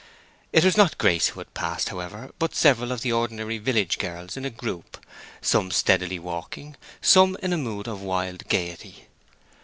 It was not Grace who had passed, however, but several of the ordinary village girls in a group—some steadily walking, some in a mood of wild gayety.